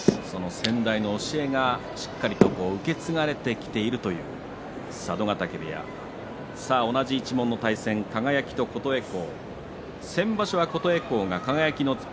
先代の教えがしっかりと受け継がれてきているという佐渡ヶ嶽部屋、同じ一門の対戦、輝と琴恵光。